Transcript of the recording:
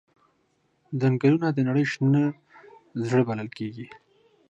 ځنګلونه د نړۍ شنه زړه بلل کېږي.